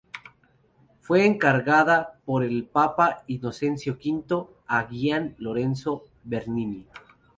Fue encargada por el papa Inocencio X a Gian Lorenzo Bernini.